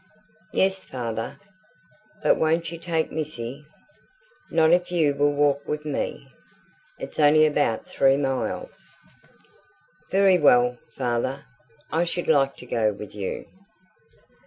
"Yes, father. But won't you take Missy?" "Not if you will walk with me. It's only about three miles." "Very well, father. I should like to go with you."